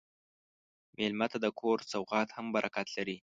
مېلمه ته د کور سوغات هم برکت لري.